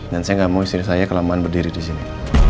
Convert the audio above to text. dan saya gak mau istri saya kelamaan berdiri disini